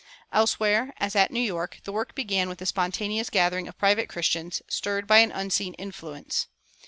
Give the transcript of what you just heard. Elsewhere, as at New York, the work began with the spontaneous gathering of private Christians, stirred by an unseen influence.